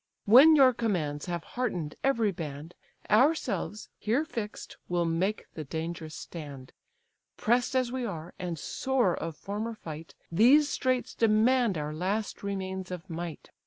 When your commands have hearten'd every band, Ourselves, here fix'd, will make the dangerous stand; Press'd as we are, and sore of former fight, These straits demand our last remains of might.